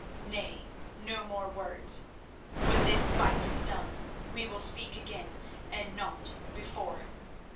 Nay, no more words; when this fight is done we will speak again, and not before.